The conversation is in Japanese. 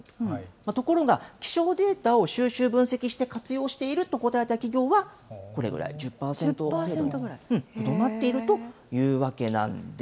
ところが気象データを収集・分析して活用していると答えた企業はこれぐらい、１０％ぐらいとなっているというわけなんです。